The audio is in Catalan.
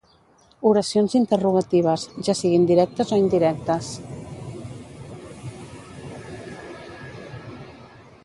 Oracions interrogatives, ja siguin directes o indirectes.